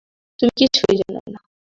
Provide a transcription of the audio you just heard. তুমি কিছুই জানো না।